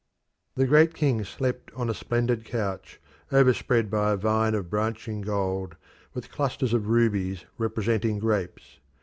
The Great King slept on a splendid couch, overspread by a vine of branching gold, with clusters of rubies representing grapes.